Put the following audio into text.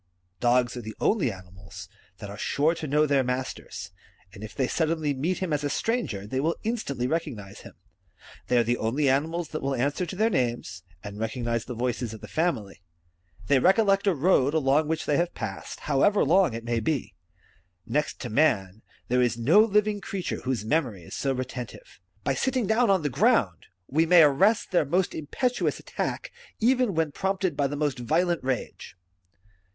Dogs are the only animals that are sure to know their masters ; and if they suddenly meet him as a stranger, they will instantly recognize him. They are the only animals that will answer to their names, and recognize the voices of the family. They recollect a road along which they have passed, however long it may be. Next to man, there is no living creature whose memory is so retentive. By sitting down on the ground, we may arrest their most impetuous attack, even when prompted by the most violent rage.